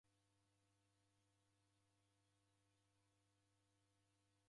Kaniw'anga nichagha